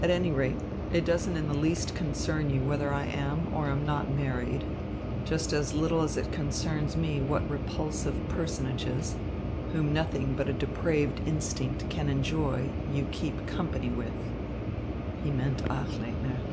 "At any rate, it doesn't in the least concern you whether I am, or am not, married just as little as it concerns me what repulsive personages, whom nothing but a depraved instinct can enjoy, you keep company with." He meant Achleitner.